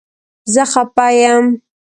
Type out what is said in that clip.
زه خپه یم